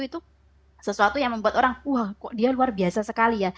itu sesuatu yang membuat orang wah kok dia luar biasa sekali ya